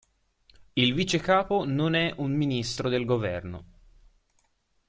Il vicecapo non è un ministro del governo.